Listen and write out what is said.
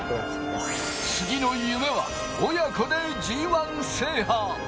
次の夢は、親子でＧＩ制覇。